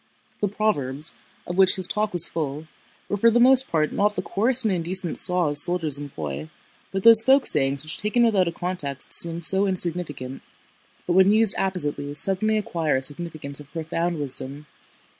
The proverbs, of which his talk was full, were for the most part not the coarse and indecent saws soldiers employ, but those folk sayings which taken without a context seem so insignificant, but when used appositely suddenly acquire a significance of profound wisdom.